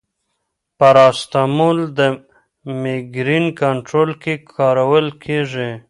پاراسټامول د مېګرین کنټرول کې کارول کېږي.